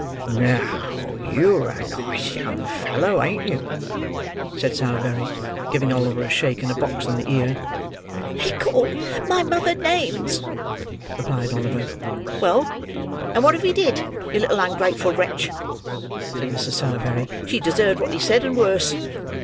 "Now, you are a nice young fellow, ain't you?" said Sowerberry; giving Oliver a shake, and a box on the ear. "He called my mother names," replied Oliver. "Well, and what if he did, you little ungrateful wretch?" said Mrs. Sowerberry. "She deserved what he said, and worse."